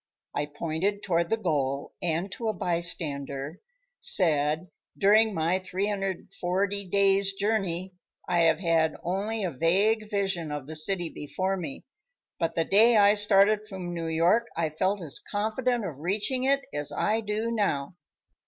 I pointed toward the goal, and to a bystander, said: "During my 340 days' journey, I have had only a vague vision of the city before me, but the day I started from New York I felt as confident of reaching it as I do now."